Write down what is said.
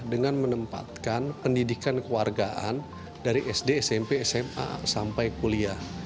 dengan menempatkan pendidikan kewargaan dari sd smp sma sampai kuliah